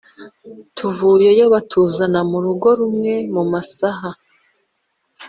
tuvuyeyo batuzana kurugo rumwe mumasaha